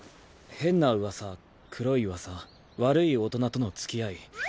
変なうわさ黒いうわさ悪い大人とのつきあい。